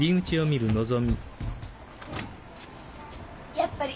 やっぱり。